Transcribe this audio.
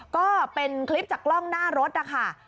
ก็เป็นคลิปจากกล้องหน้ารถนะคะ